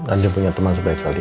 andin punya teman sebaik kalian